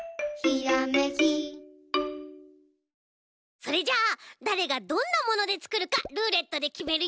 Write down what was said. それじゃあだれがどんなものでつくるかルーレットできめるよ！